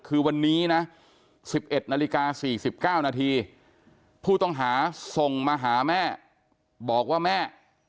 คือวันนี้นะ๑๑นาฬิกา๔๙นาทีผู้ต้องหาส่งมาหาแม่บอกว่าแม่